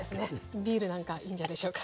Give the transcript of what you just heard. ビールなんかいいんじゃないでしょうか。